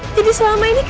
didi selama ini